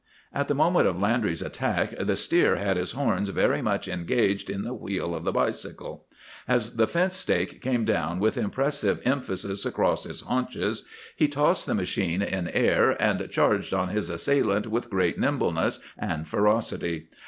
"At the moment of Landry's attack, the steer had his horns very much engaged in the wheel of the bicycle. As the fence stake came down with impressive emphasis across his haunches, he tossed the machine in air, and charged on his assailant with great nimbleness and ferocity.